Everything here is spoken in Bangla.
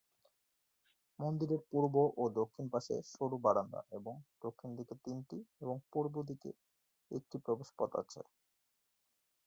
মন্দিরের পূর্ব ও দক্ষিণ পাশে সরু বারান্দা এবং দক্ষিণ দিকে তিনটি এবং পূর্ব দিকে একটি প্রবেশ পথ আছে।